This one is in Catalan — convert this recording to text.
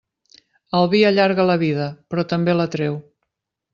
El vi allarga la vida, però també la treu.